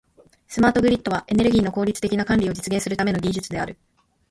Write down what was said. スマートグリッドは、エネルギーの効率的な管理を実現するための技術である。